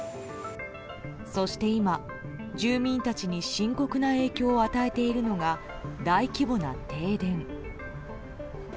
そして今、住民たちに深刻な影響を与えているのが大規模な停電。